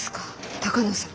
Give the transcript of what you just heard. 鷹野さん。